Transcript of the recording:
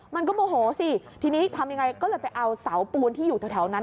มันก็โมโหสิทีนี้ทำยังไงก็เลยไปเอาเสาปูนที่อยู่แถวนั้น